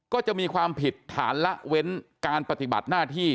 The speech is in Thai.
ก็จะมีความผิดฐานละเว้นการปฏิบัติหน้าที่